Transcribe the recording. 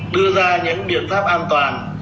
đưa ra những biện pháp an toàn